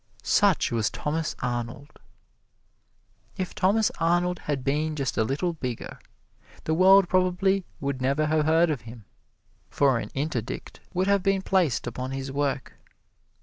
Such was Thomas Arnold! If Thomas Arnold had been just a little bigger, the world probably would never have heard of him, for an interdict would have been placed upon his work.